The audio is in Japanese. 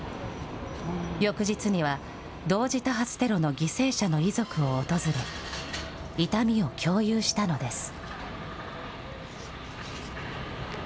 翌日には、同時多発テロの犠牲者の遺族を訪れ、痛みを共有したのです。